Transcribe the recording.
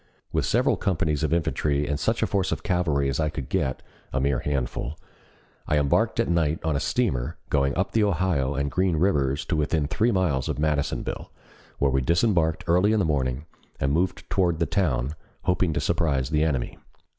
With several companies of infantry and such force of cavalry as I could get (a mere handful), I embarked at night on a steamer, going up the Ohio and Green Rivers to within three miles of Madisonville, where we disembarked early in the morning, and moved toward the town, hoping to surprise the enemy.